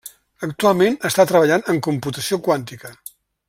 Actualment està treballant en computació quàntica.